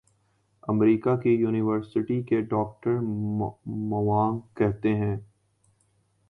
امریکہ کی یونیورسٹی کیے ڈاکٹر موانگ کہتے ہیں